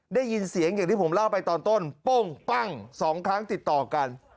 ได้ยินเสียงอย่างที่ผมเล่าไปตอนต้นโป้งปั้งสองครั้งติดต่อกัน